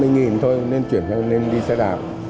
nên bốn năm mươi thôi nên chuyển lên đi xe đạp